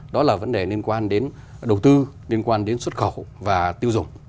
đó là vấn đề liên quan đến đầu tư liên quan đến xuất khẩu và tiêu dùng